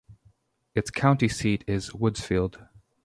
Its county seat is Woodsfield.